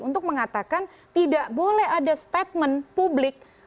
untuk mengatakan tidak boleh ada statement publik